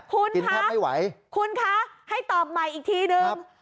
คุณคะให้ตอบใหม่อีกทีนึง